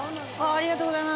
ありがとうございます。